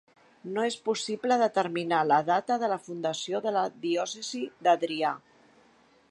No és possible determinar la data de la fundació de la diòcesi d'Adria.